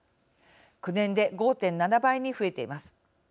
９年で５．７倍に増えています。